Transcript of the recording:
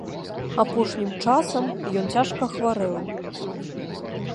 Апошнім часам ён цяжка хварэў.